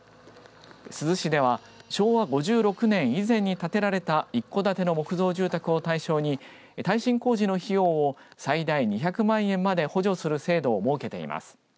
珠洲市では昭和５６年以前に建てられた一戸建ての木造住宅を対象に耐震工事の費用を最大２００万円まで補助する制度を設けています。